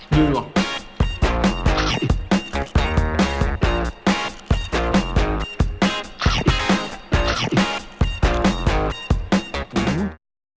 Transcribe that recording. มันให้แกะให้